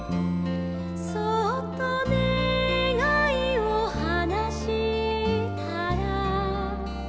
「そっとねがいをはなしたら」